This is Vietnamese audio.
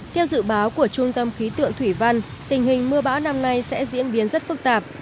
theo dự báo của trung tâm khí tượng thủy văn tình hình mưa bão năm nay sẽ diễn biến rất phức tạp